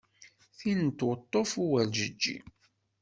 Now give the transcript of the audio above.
Tin n tweṭṭuft d uwerǧeǧi.